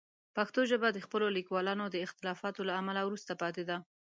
پښتو ژبه د خپلو لیکوالانو د اختلافاتو له امله وروسته پاتې ده.